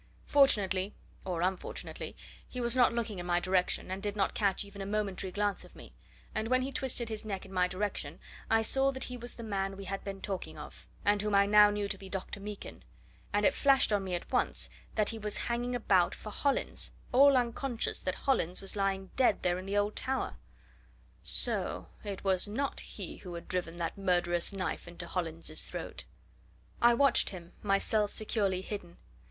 Fortunately or unfortunately he was not looking in my direction, and did not catch even a momentary glance of me, and when he twisted his neck in my direction I saw that he was the man we had been talking of, and whom I now knew to be Dr. Meekin. And it flashed on me at once that he was hanging about for Hollins all unconscious that Hollins was lying dead there in the old tower. So it was not he who had driven that murderous knife into Hollins's throat! I watched him myself securely hidden.